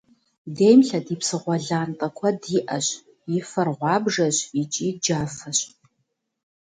Дейм лъэдий псыгъуэ лантӏэ куэд иӏэщ, и фэр гъуабжэщ икӏи джафэщ.